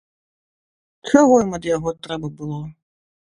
Чаго ім ад яго трэба было?